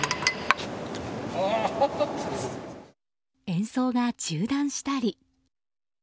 演奏が中断したり。